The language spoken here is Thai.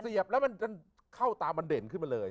เสียบแล้วเข้าตามันเด่นขึ้นมาเลย